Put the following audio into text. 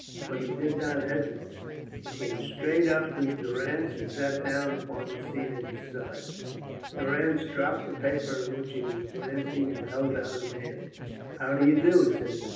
But he did not hesitate. He came straight up to Durrance and sat down upon the seat at his side. Durrance dropped the paper at which he was glancing and held out his hand. "How do you do?" said he.